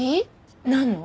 なんの？